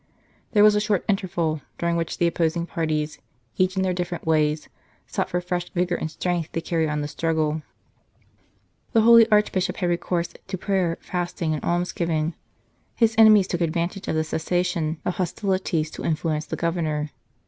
There was a short interval, during which the opposing parties, each in their different ways, sought for fresh vigour and strength to carry on the struggle. The holy Archbishop had recourse to prayer, fasting, and almsgiving. His enemies took advan tage of the cessation of hostilities to influence the Governor.